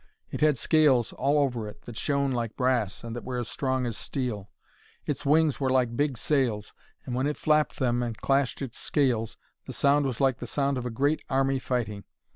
It had scales all over it that shone like brass, and that were as strong as steel. Its wings were like big sails, and when it flapped them and clashed its scales, the sound was like the sound of a great army fighting.